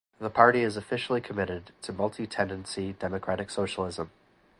The party is officially committed to multi-tendency democratic socialism.